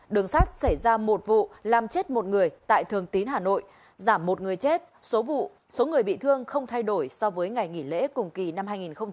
đường sắt xảy ra một vụ làm chết một người tại thường tín hà nội giảm một người chết số vụ số người bị thương không thay đổi so với ngày nghỉ lễ cùng kỳ năm hai nghìn một mươi chín